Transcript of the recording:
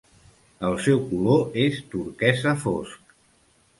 El seu color és turquesa fosc.